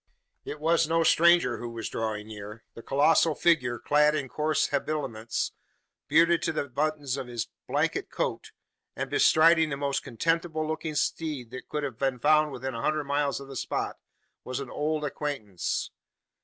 It was no stranger who was drawing near. The colossal figure, clad in coarse habiliments, bearded to the buttons of his blanket coat, and bestriding the most contemptible looking steed that could have been found within a hundred miles of the spot, was an old acquaintance.